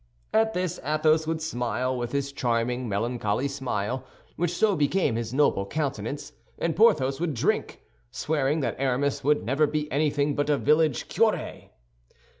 At this Athos would smile, with his charming, melancholy smile, which so became his noble countenance, and Porthos would drink, swearing that Aramis would never be anything but a village curé.